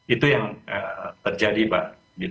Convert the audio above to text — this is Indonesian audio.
itu yang terjadi pak